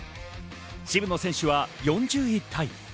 渋野選手は４０位タイ。